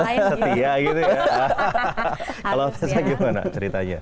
kalau faisal gimana ceritanya